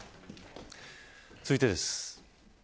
続いてです。